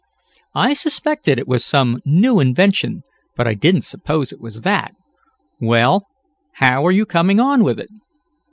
I suspected it was some new invention, but I didn't suppose it was that. Well, how are you coming on with it?"